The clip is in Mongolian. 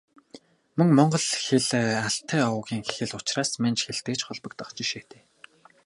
Мөн Монгол хэл Алтай овгийн хэл учраас Манж хэлтэй ч холбогдох жишээтэй.